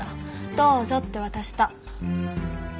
どうぞって渡した。